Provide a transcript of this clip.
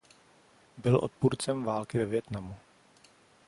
Byl odpůrcem války ve Vietnamu.